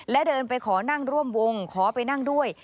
และเดินไปขอนั่งร่วมวงขอไปนั่งด้วย